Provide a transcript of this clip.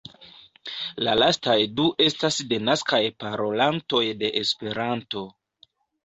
La lastaj du estas denaskaj parolantoj de Esperanto.